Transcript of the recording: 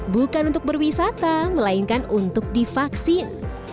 bukan untuk berwisata melainkan untuk divaksin